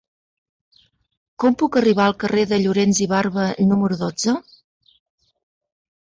Com puc arribar al carrer de Llorens i Barba número dotze?